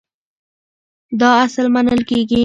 دا اصل منل کېږي.